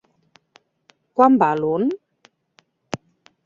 Quant val un??